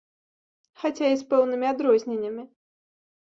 Хаця і з пэўнымі адрозненнямі.